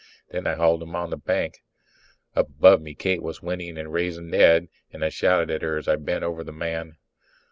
Then I hauled him onto the bank. Up above me Kate was still whinnying and raising Ned and I shouted at her as I bent over the man.